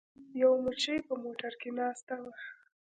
یوې مچۍ په موټر کې ناسته وه.